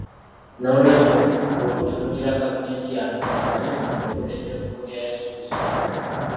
Noolwekyo bwe mutunuulira kabineeti yange mukimanye nti n'agoberedde kkubo lya Yesu Kristo.